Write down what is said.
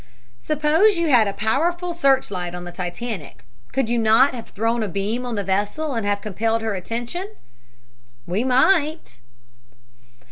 "Suppose you had a powerful search light on the Titanic, could you not have thrown a beam on the vessel and have compelled her attention?" "We might."